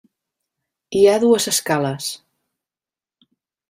Hi ha dues escales: